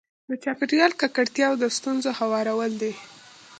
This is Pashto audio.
د چاپېریال ککړتیاوې د ستونزو هوارول دي.